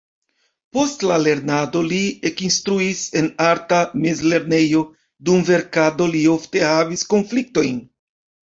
Post la lernado li ekinstruis en arta mezlernejo, dum verkado li ofte havis konfliktojn.